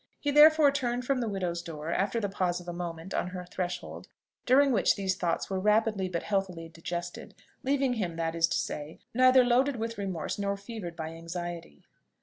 He therefore turned from the widow's door, after the pause of a moment on her threshold, during which these thoughts were rapidly but healthily digested, leaving him, that is to say, neither loaded with remorse, nor fevered by anxiety.